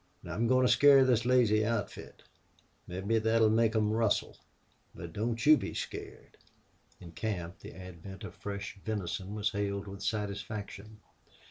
Now I'm goin' to scare this lazy outfit. Mebbe thet'll make them rustle. But don't you be scared." In camp the advent of fresh venison was hailed with satisfaction.